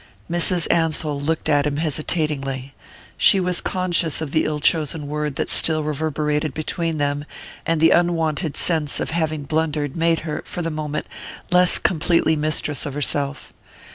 Mrs. Ansell looked at him hesitatingly. She was conscious of the ill chosen word that still reverberated between them, and the unwonted sense of having blundered made her, for the moment, less completely mistress of herself.